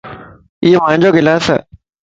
ايو مانجو گلاس ائي